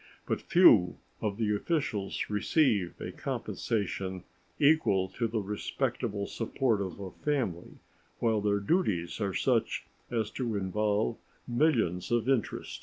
But few of the officials receive a compensation equal to the respectable support of a family, while their duties are such as to involve millions of interest.